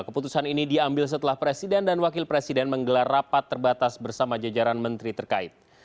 keputusan ini diambil setelah presiden dan wakil presiden menggelar rapat terbatas bersama jajaran menteri terkait